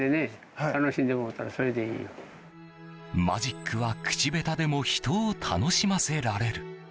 マジックは、口下手でも人を楽しませられる。